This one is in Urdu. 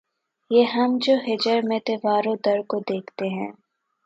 یہ ہم جو ہجر میں‘ دیوار و در کو دیکھتے ہیں